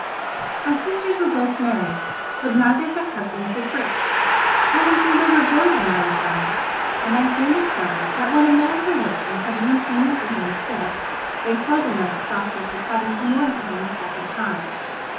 My sisters were both married, but neither of their husbands was rich. No one seemed overjoyed on my return; and I soon discovered that when a man's relations have once mourned for him as dead, they seldom like the prospect of having to mourn for him a second time.